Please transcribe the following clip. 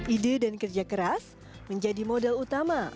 ide dan kerja keras menjadi modal utama